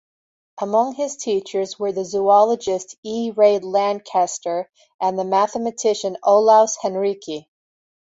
Among his teachers were the zoologist E. Ray Lankester and the mathematician Olaus Henrici.